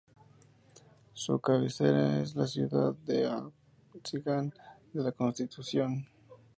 Su cabecera es la ciudad de Apatzingán de la Constitución.